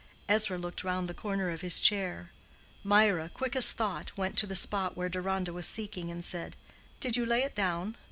Ezra looked round the corner of his chair. Mirah, quick as thought, went to the spot where Deronda was seeking, and said, "Did you lay it down?"